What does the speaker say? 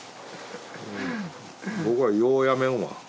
僕はようやめんわ。